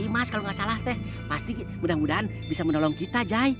mas kalau nggak salah teh pasti mudah mudahan bisa menolong kita jahi